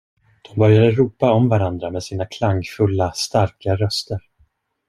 De började ropa om varandra med sina klangfulla, starka röster.